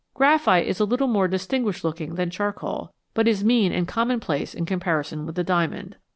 Graphite is a little more distinguished looking than char coal, but is mean and commonplace in comparison with the diamond.